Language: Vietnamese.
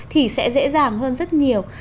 thì sẽ dễ dàng hơn rất nhiều